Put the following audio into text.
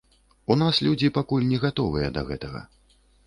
У нас людзі пакуль не гатовыя да гэтага.